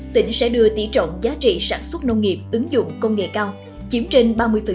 tỉnh sẽ đưa tỷ trọng giá trị sản xuất nông nghiệp ứng dụng công nghệ cao chiếm trên ba mươi